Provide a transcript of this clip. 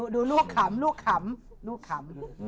ดูลูกขำลูกขำ